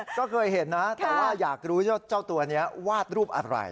ก็เคยเห็นนะแต่ว่าอยากรู้ว่าเจ้าตัวนี้วาดรูปอะไร